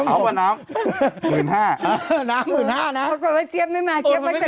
เอาป่ะน้ำ